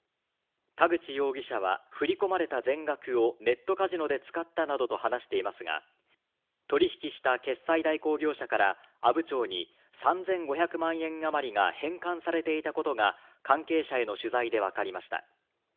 田口容疑者は振り込まれた全額をネットカジノで使ったなどと話していますが、取引した決済代行業者から、阿武町に３５００万円あまりが返還されていたことが関係者への取材でわかりました。